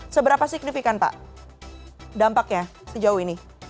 seberapa signifikan pak dampaknya sejauh ini